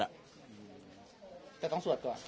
แต่ต้องสวดก่อน